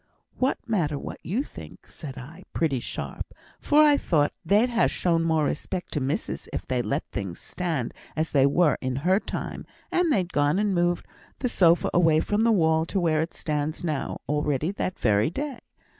'What matter what you think!' said I, pretty sharp, for I thought they'd ha' shown more respect to missus if they'd let things stand as they were in her time; and they'd gone and moved the sofa away from the wall to where it stands now, already that very day.